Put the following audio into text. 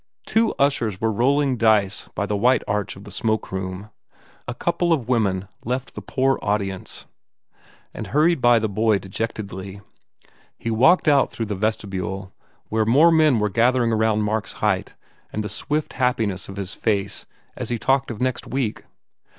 Two ushers were rolling dice by the white arch of the smokeroom. A couple of women left the poor audience and hurried by the boy dejectedly. He walked out through the vestibule where more men were collecting around Mark s height and the swift happiness of his face as he talked of next week.